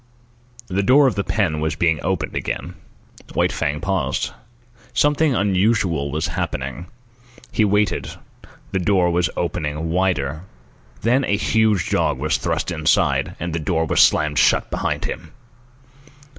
The door of the pen was being opened again. White Fang paused. Something unusual was happening. He waited. The door was opened wider. Then a huge dog was thrust inside, and the door was slammed shut behind him.